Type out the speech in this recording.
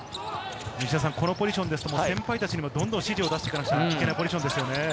このポジションで先輩たちにもどんどん指示を出していかなくちゃいけないポジションですよね。